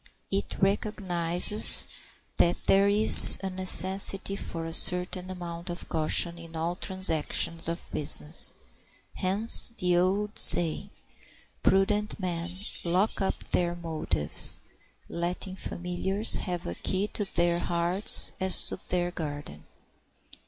It recognizes that there is a necessity for a certain amount of caution in all the transactions of business; hence the old saying, "Prudent men lock up their motives, letting familiars have a key to their hearts as to their garden."